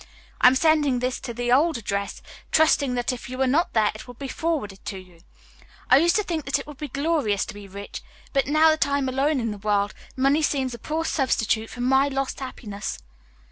I am sending this to the old address, trusting that if you are not there it will be forwarded to you. I used to think it would be glorious to be rich, but now that I am alone in the world, money seems a poor substitute for my lost happiness.